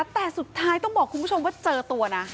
แต่สุดท้ายต้องบอกคุณผู้ชมว่าเจอตัวนะ